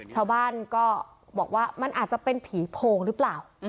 ชาวบ้านก็บอกว่ามันอาจจะเป็นผีโพงหรือเปล่า